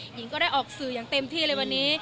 หญิงก็ได้ออกสื่ออย่างเต็มที่เลยวันนี้